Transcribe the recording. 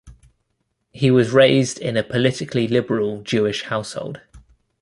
He was raised in a "politically liberal Jewish household".